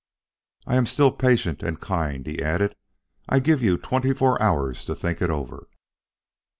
"I am still patient, and kind," he added. "I give you twenty four hours to think it over."